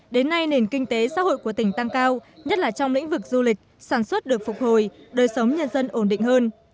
đến nay nền kinh tế xã hội của tỉnh tăng cao nhất là trong lĩnh vực du lịch sản xuất được phục hồi đời sống nhân dân ổn định hơn